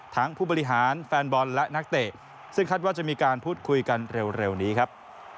ผู้บริหารแฟนบอลและนักเตะซึ่งคาดว่าจะมีการพูดคุยกันเร็วนี้ครับ